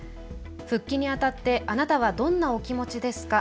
「復帰にあたってあなたはどんなお気持ちですか？